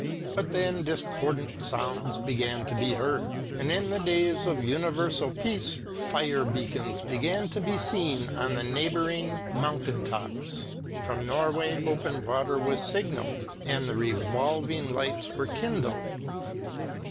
But then discordant sounds began to be heard, and in the days of universal peace fire beacons began to be seen on the neighbouring mountain tops. From Norway open water was signalled and the revolving lights were kindled.